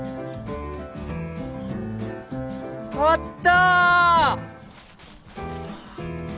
あった！